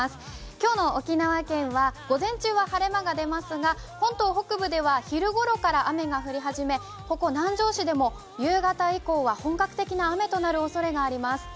今日の沖縄県は午前中は晴れ間が出ますが、本島北部では昼ごろから雨が降り始め、ここ南城市でも夕方以降は本格的な雨となる可能性があります。